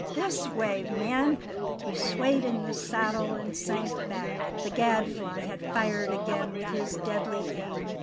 "This way, men!" He swayed in the saddle and sank back; the Gadfly had fired again with his deadly aim.